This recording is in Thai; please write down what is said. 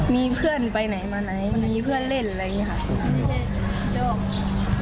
มีเพื่อนไปไหนมาไหนมันมีเพื่อนเล่นอะไรอย่างนี้ค่ะ